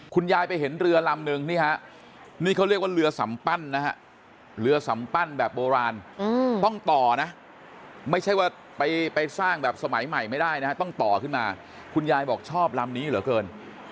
คุณยายไปเห็นเรือลำนึงนี่ฮะนี่เขาเรียกว่าเรือสัมปั้นนะฮะเรือสัมปั้นแบบโบราณต้องต่อนะไม่ใช่ว่าไปสร้างแบบสมัยใหม่ไม่ได้นะฮะต้องต่อขึ้นมาคุณยายบอกชอบลำนี้เหลือเกิน